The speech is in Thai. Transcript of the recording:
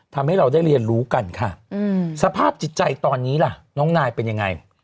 ทำให้เราได้เรียนรู้กันค่ะสภาพจิตใจตอนนี้ล่ะน้องนายเป็นยังไง